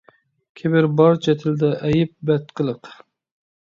كىبىر – بارچە تىلدا ئەيب، بەتقىلىق.